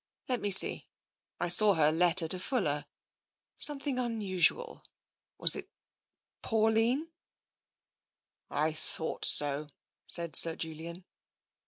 " Let me see. I saw her letter to Fuller — some thing unusual. ... Was it Pauline?" " I thought so," said Sir Julian.